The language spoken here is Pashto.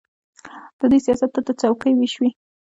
د دوی سیاست تل د څوکۍو وېش دی.